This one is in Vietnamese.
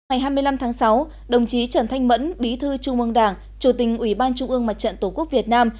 ngày hai mươi năm tháng sáu đồng chí trần thanh mẫn bí thư trung ương đảng chủ tình ủy ban trung ương mặt trận tổ quốc việt nam